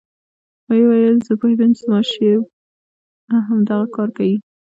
ويې ويل زه پوهېدم چې زما شېر به همدغه کار کيي.